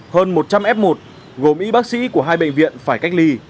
hơn một trăm linh f một gồm y bác sĩ của hai bệnh viện phải cách ly